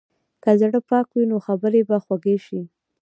که زړه پاک وي، نو خبرې به خوږې شي.